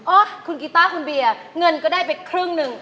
โอ้คุณกีตาร์คุณเบียร์เงินก็ได้เป็นครึ่งหนึ่ง